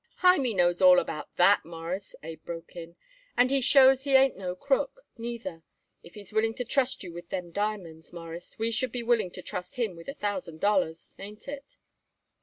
"Hymie knows it all about that, Mawruss," Abe broke in, "and he shows he ain't no crook, neither. If he's willing to trust you with them diamonds, Mawruss, we should be willing to trust him with a thousand dollars. Ain't it?"